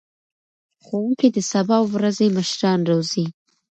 ښوونکي د سبا ورځې مشران روزي.